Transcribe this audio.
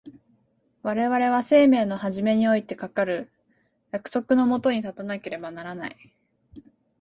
我々は生命の始めにおいてかかる約束の下に立たねばならない。